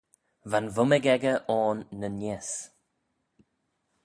Va'n vummig echey ayn ny-neesht.